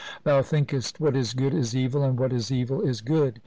Thou thinkest what is good is evil, and what is evil is good.'